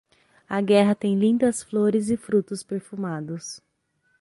A guerra tem lindas flores e frutos perfumados.